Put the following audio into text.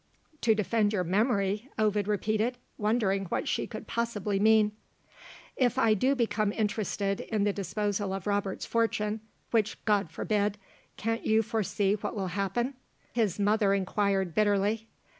"To defend your memory?" Ovid repeated, wondering what she could possibly mean. "If I do become interested in the disposal of Robert's fortune which God forbid! can't you foresee what will happen?" his mother inquired bitterly.